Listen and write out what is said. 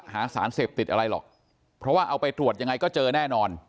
หาสารเสพติดอะไรหรอกเพราะว่าเอาไปตรวจยังไงก็เจอแน่นอน